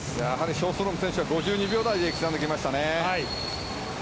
ショーストロム選手は５０秒台で刻んできましたね。